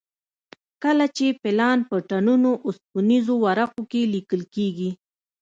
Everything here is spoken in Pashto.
کله چې پلان په ټنونو اوسپنیزو ورقو کې لیکل کېږي.